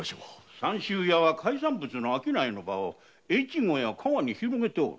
三州屋は海産物の商いの場を越後や加賀に広げておる。